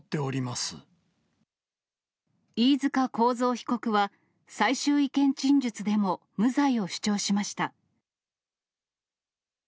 飯塚幸三被告は、最終意見陳述でも無罪を主張しました。